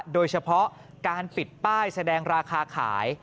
โดยเฉพาะการปิดป้ายแสดงราคาขาย